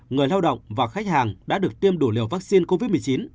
người lao động và khách hàng đã được tiêm đủ liều vaccine covid một mươi chín